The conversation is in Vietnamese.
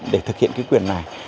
để thực hiện cái quyền này